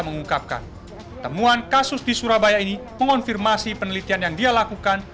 mengungkapkan temuan kasus di surabaya ini mengonfirmasi penelitian yang dia lakukan